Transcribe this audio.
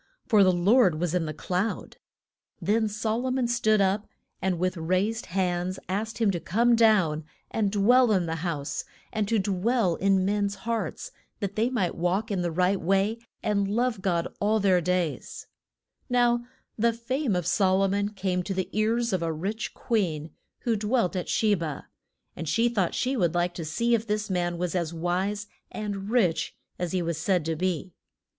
For the Lord was in the cloud. Then Sol o mon stood up, and with raised hands asked him to come down and dwell in the house, and to dwell in men's hearts, that they might walk in the right way, and love God all their days. [Illustration: QUEEN OF SHE BA.] Now the fame of Sol o mon came to the ears of a rich queen, who dwelt at She ba, and she thought she would like to see if this man was as wise and rich as he was said to be.